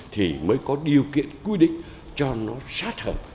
thì mới có điều kiện quy định cho nó sát hợp